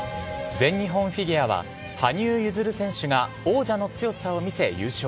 全日本フィギュアは、羽生結弦選手が王者の強さを見せ、優勝。